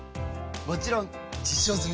もちろん実証済！